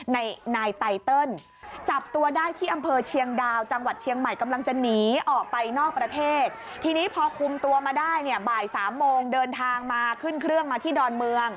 นายไตเติลจับตัวได้ที่อำเภอเชียงดาวจังหวัดเชียงใหม่กำลังจะหนีออกไปนอกประเทศทีนี้พอคุมตัวมาได้เนี่ยบ่ายสามโมงเดินทางมาขึ้นเครื่องมาที่ดอนเมือง